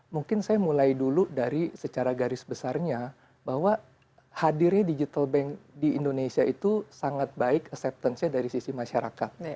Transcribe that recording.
mungkin saya mulai dulu dari secara garis besarnya bahwa hadirnya digital bank di indonesia itu sangat baik acceptance nya dari sisi masyarakat